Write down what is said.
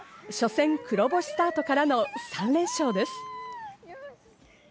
初戦、黒星スタートからの３連勝です。